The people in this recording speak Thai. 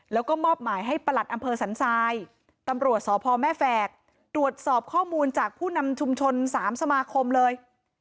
แล้วก็มอบหมายให้ประหลัดอำเภอสันทรายตำรวจสพแม่แฝกตรวจสอบข้อมูลจากผู้นำชุมชน๓สมาคมเลย